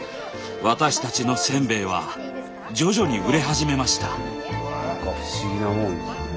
私たちのせんべいは徐々に売れ始めました。